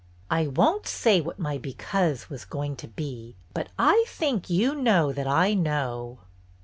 "I won't say what my 'because' was going to be, but I think you know that I know."